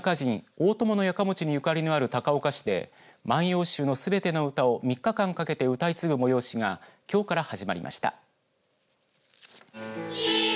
大伴家持にゆかりのある高岡市で万葉集のすべての歌を３日間かけて歌い継ぐ催しがきょうから始まりました。